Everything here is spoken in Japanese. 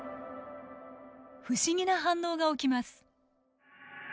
不思議な反応が起きます。